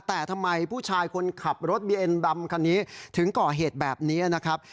แต่ทำไมผู้ชายคนขับรถบีเอ็นดำคันนี้ถึงก่อเหตุแบบนี้นะครับ